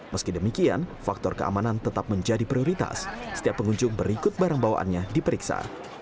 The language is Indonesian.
meski demikian faktor keamanan tetap menjadi prioritas setiap pengunjung berikut barang bawaannya diperiksa